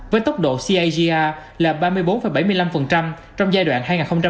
với tốc độ cagr là ba mươi bốn bảy mươi năm trong giai đoạn hai nghìn hai mươi một hai nghìn hai mươi sáu